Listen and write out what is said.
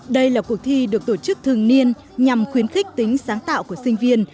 đây là cuộc thi được tổ chức thường niên nhằm khuyến khích tính sáng tạo của sinh viên